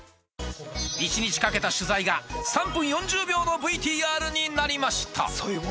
１日かけた取材が３分４０秒のＶＴＲになりました